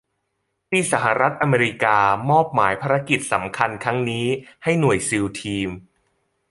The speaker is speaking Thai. ที่สหรัฐอเมริกามอบหมายภารกิจสำคัญครั้งนี้ให้หน่วยซีลทีม